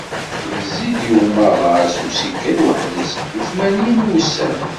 Yezzi-d i umaḍal s usikel weḥd-s deg tmanyin n wussan.